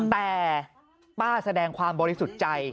แต่ป้าแสดงความบริสุทธิ์ใจ